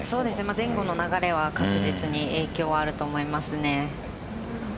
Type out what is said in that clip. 前後の流れで確実に影響はあると思いますね。